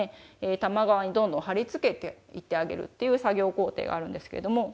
玉皮にどんどん貼り付けていってあげるっていう作業工程があるんですけども。